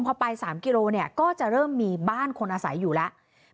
พอไป๓กิโลเนี่ยก็จะเริ่มมีบ้านคนอาศัยอยู่แล้ว